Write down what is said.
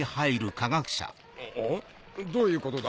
どういうことだ？